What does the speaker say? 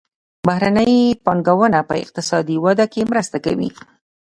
بهرنۍ پانګونه په اقتصادي وده کې مرسته کوي.